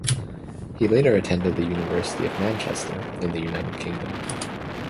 He later attended the University of Manchester, in the United Kingdom.